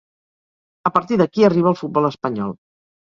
A partir d'aquí arriba al futbol espanyol.